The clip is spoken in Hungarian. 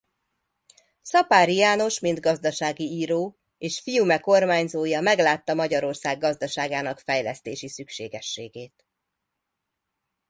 Szapáry János mint gazdasági író és fiume kormányzója meglátta Magyarország gazdaságának fejlesztési szükségességét.